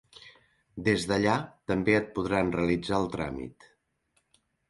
Des d'allà també et podran realitzar el tràmit.